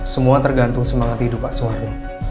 semua tergantung semangat hidup pak soeharto